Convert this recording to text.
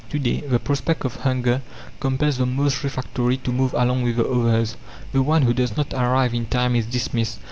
To day the prospect of hunger compels the most refractory to move along with the others. The one who does not arrive in time is dismissed.